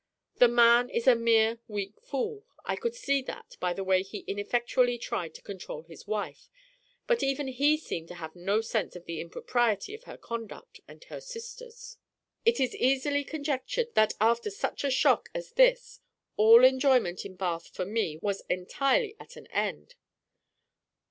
The man is a mere weak fool; I could see that by the way he ineffectually tried to control his wife, but even he seemed to have no sense of the impropriety of her conduct and her sister's. "It is easily conjectured that after such a shock as this all enjoyment in Bath for me was entirely at an end.